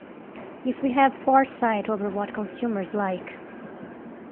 If we have foresight over what consumers like.